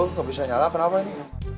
oh gak bisa nyalah kenapa ini